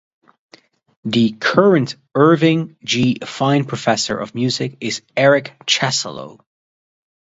The current Irving G. Fine Professor of Music is Eric Chasalow.